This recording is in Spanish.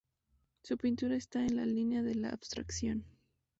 Su pintura está en la línea de la abstracción.